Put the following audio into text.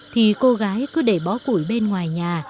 thì cô gái cứ để bó củi bên ngoài nhà